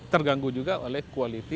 terganggu juga oleh quality